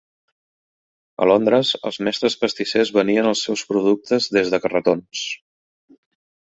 A Londres, els mestres pastissers venien els seus productes des de carretons.